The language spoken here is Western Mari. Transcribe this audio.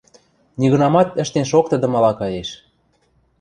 нигынамат ӹштен шоктыдымыла каеш.